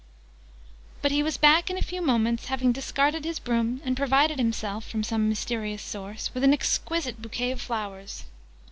But he was back in a few moments, having discarded his broom and provided himself, from some mysterious source, with an exquisite bouquet of flowers.